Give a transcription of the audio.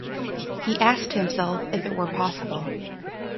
He asked himself if it were possible.